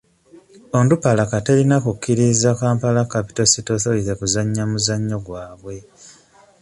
Onduparaka terina kukkiriza Kampala Capital City Authority kuzannya muzannyo gwabwe.